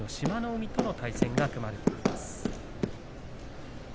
海との対戦が組まれています。